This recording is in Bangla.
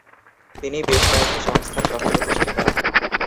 তিনি বেশ কয়েকটি সংস্থার সহ-প্রতিষ্ঠাতা।